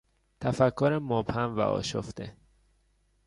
تفکر مبهم و آشفته